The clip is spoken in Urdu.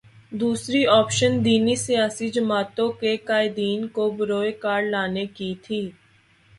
دوسری آپشن دینی سیاسی جماعتوں کے قائدین کو بروئے کار لانے کی تھی۔